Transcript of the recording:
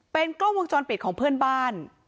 เป็นกล้องวงจรปิดของเพื่อนบ้าน